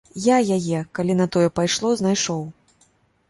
Я яе, калі на тое пайшло, знайшоў.